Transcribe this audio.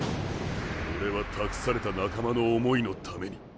オレは託された仲間の想いのために。